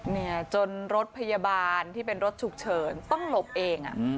เนี่ยจนรถพยาบาลที่เป็นรถฉุกเฉินต้องหลบเอง